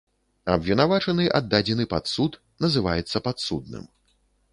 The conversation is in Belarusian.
Абвінавачаны, аддадзены пад суд, называецца падсудным.